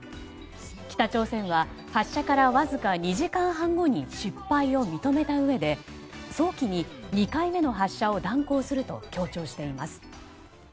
北朝鮮は、発射からわずか２時間半後に失敗を認めたうえで早期に２回目の発射を断行すると強調しています。